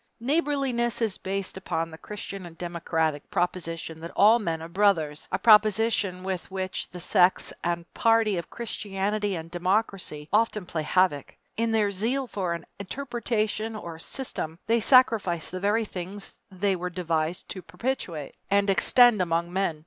Neighborliness is based upon the Christian and democratic proposition that all men are brothers a proposition with which the sects and parties of Christianity and democracy often play havoc. In their zeal for an interpretation or system they sacrifice the very things they were devised to perpetuate and extend among men.